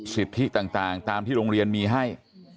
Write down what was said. สิทธิต่างตามที่โรงเรียนมีให้